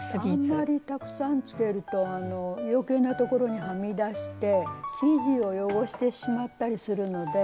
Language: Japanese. あんまりたくさんつけると余計なところにはみ出して生地を汚してしまったりするので。